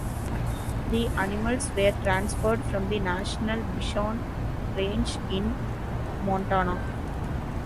The animals were transferred from the National Bison Range in Montana.